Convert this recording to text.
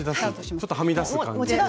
ちょっとはみ出す感じで。